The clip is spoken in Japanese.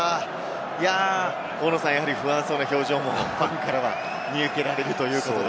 大野さん、やはり不安そうな表情もファンから見受けられるということで。